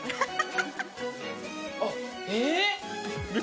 あっえぇっ⁉